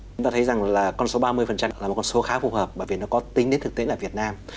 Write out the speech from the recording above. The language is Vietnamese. chúng ta thấy rằng là con số ba mươi là một con số khá phù hợp bởi vì nó có tính đến thực tế là việt nam